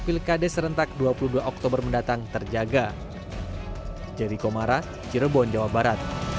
fil kd serentak dua puluh dua oktober mendatang terjaga